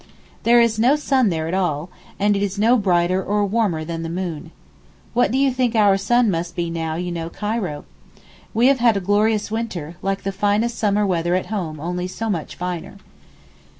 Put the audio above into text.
'There is no sun there at all, it is no brighter or warmer than the moon.' What do you think our sun must be now you know Cairo. We have had a glorious winter, like the finest summer weather at home only so much finer.